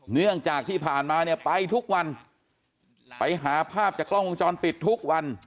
เนื่องจากที่ผ่านมาเนี่ยไปทุกวันไปหาภาพจากกล้องวงจรปิดทุกวัน